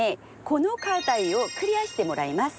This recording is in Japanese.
この課題をクリアしてもらいます。